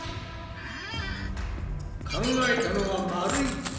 考えたのはまるい筒。